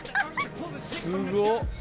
すごっ。